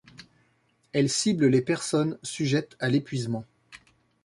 Elle cible les personnes sujettes à l'épuisement.